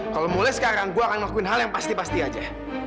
cuma bentar doang aku bicara aja